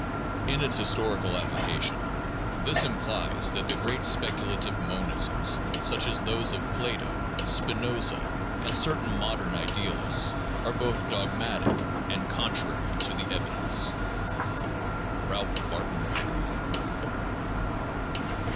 In its historical application, this implies that the great specula tive monisms, such as those of Plato, Spinoza, and certain modern idealists, are both dogmatic and contrary to the evidence. Ralph Bakton Perry.